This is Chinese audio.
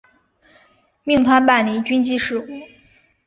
命他办理军机事务。